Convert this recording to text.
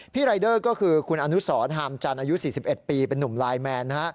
รายเดอร์ก็คือคุณอนุสรฮามจันทร์อายุ๔๑ปีเป็นนุ่มไลน์แมน